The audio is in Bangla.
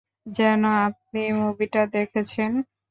যেন আপনি মুভিটা দেখেছেন।